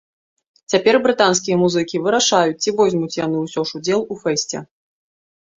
Цяпер брытанскія музыкі вырашаюць, ці возьмуць яны ўсё ж удзел у фэсце.